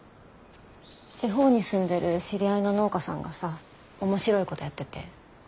地方に住んでる知り合いの農家さんがさ面白いことやってて。